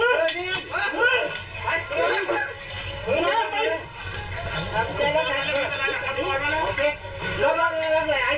แต่ว่าข้อมูลเบอร์ที่มีประกันเป็นเท่าไหร่